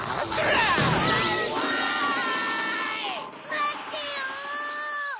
まってよ！